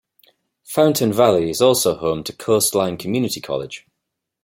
Fountain Valley is also home to Coastline Community College.